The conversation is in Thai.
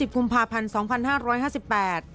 ๒๐คุมภาพันธ์๒๕๕๘